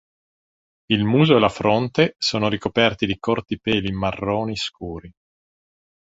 Il muso e la fronte sono ricoperti di corti peli marroni scuri.